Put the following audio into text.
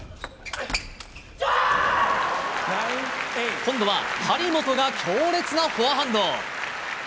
今度は張本が強烈なフォアハンド。